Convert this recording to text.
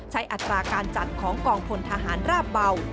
อัตราการจัดของกองพลทหารราบเบา